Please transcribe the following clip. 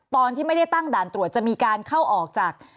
ตอนที่ไม่ได้ตั้งด่านตรวจจะมีการเข้าออกจาก